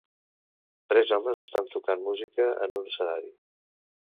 Tres homes estan tocant música en un escenari.